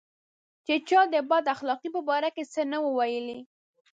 چې چا د بد اخلاقۍ په باره کې څه نه وو ویلي.